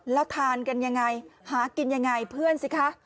แล้วทานกันยังไงหากินยังไงเพื่อนสิคะ